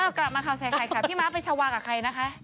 เออกลับมาเข้าแสไขค่ะพี่ม้าจะไปจัดการกับใครนะคะ